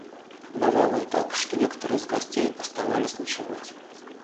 Бывало и так, что некоторые из гостей оставались ночевать.